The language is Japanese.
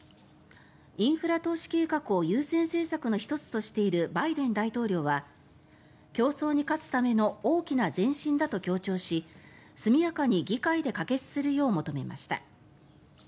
インフラ投資計画を優先政策の１つとしているバイデン大統領は競争に勝つための大きな前進だと強調し速やかに議会で可決するよう求めました。